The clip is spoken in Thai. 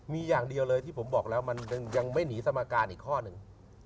มีอย่างเดียวเลยที่ผมบอกแล้วมันยังไม่หนีสมการอีกข้อหนึ่ง